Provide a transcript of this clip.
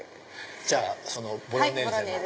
じゃあそのボロネーゼを。